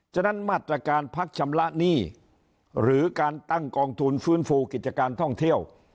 ฉะนั้นมาตรการพักชำระหนี้หรือการตั้งกองทุนฟื้นฟูกิจการท่องเที่ยว